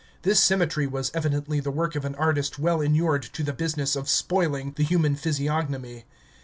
This symmetry was evidently the work of an artist well inured to the business of spoiling the human physiognomy.